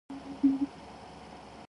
The numbering of this highway is unusual.